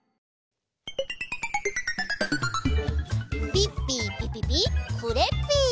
ピッピーピピピクレッピー！